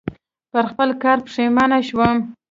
پر خپل کار پښېمانه شوم .